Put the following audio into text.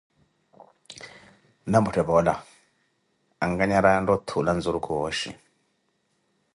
Nampotthe poola, ankanyaraaye ontta othuula nzurukhu wooshi.